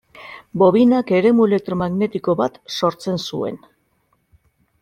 Bobinak eremu elektromagnetiko bat sortzen zuen.